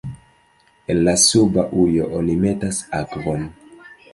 En la suba ujo oni metas akvon.